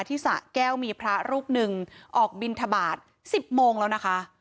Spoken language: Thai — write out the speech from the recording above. สะแก้วมีพระรูปหนึ่งออกบินทบาท๑๐โมงแล้วนะคะ